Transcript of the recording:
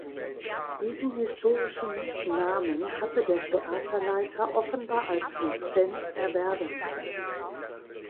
Diesen historischen Namen hatte der Theaterleiter offenbar als Lizenz erwerben können.